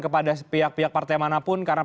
kepada pihak pihak partai manapun karena